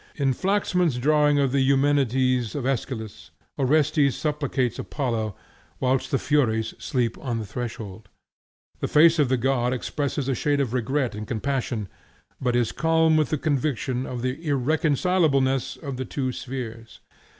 In Flaxman's drawing of the Eumenides of Aeschylus, Orestes supplicates Apollo, whilst the Furies sleep on the threshold. The face of the god expresses a shade of regret and compassion, but is calm with the conviction of the irreconcilableness of the two spheres.